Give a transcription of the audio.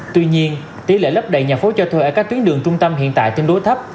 tuy nhiên tỷ lệ lấp đầy nhà phố cho thuê ở các tuyến đường trung tâm hiện tại tương đối thấp